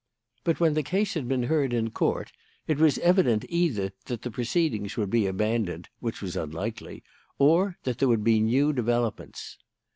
But when the case had been heard in Court, it was evident either that the proceedings would be abandoned which was unlikely or that there would be new developments.